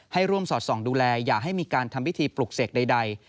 ให้ร่วมสอดส่องดูแลอย่าให้มีการทำพิธีปลุกเสกใด